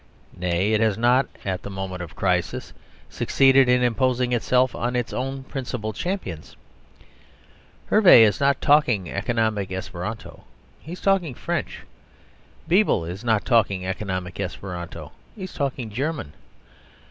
Nay, it has not, at the moment of crisis, succeeded in imposing itself on its own principal champions. Herve is not talking Economic Esperanto; he is talking French. Bebel is not talking Economic Esperanto; he is talking German.